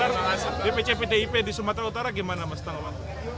kalau nama nama yang di daftar di pcpdip di sumatera utara gimana mas